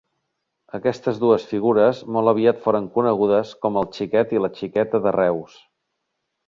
Aquestes dues figures molt aviat foren conegudes com el Xiquet i la Xiqueta de Reus.